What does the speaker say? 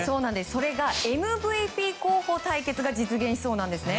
それがＭＶＰ候補対決が実現しそうなんですね。